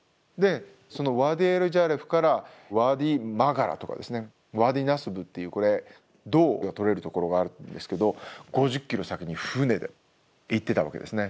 そのワディ・エル＝ジャラフからワディ・マガラとかですねワディ・ナスブっていうこれ銅が採れるところがあるんですけど５０ｋｍ先に船で行ってたわけですね。